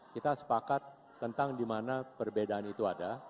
kita sepakat tentang dimana perbedaan itu ada